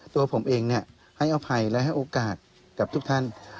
ตัวผมเองให้อภัยและให้โอกาสกับทุกท่าน